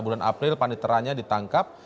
bulan april paniteranya ditangkap